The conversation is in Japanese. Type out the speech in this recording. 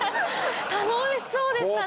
楽しそうでしたね。